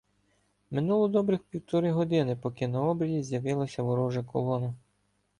Минуло добрих півтори години, поки на обрії з'явилася ворожа колона.